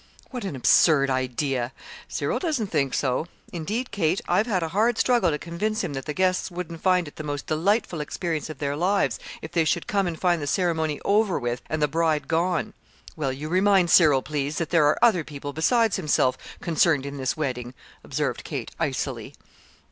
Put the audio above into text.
"What an absurd idea!" "Cyril doesn't think so. Indeed, Kate, I've had a hard struggle to convince him that the guests wouldn't think it the most delightful experience of their lives if they should come and find the ceremony over with and the bride gone." "Well, you remind Cyril, please, that there are other people besides himself concerned in this wedding," observed Kate, icily.